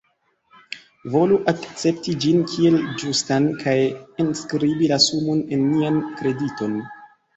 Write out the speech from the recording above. Volu akcepti ĝin kiel ĝustan kaj enskribi la sumon en nian krediton.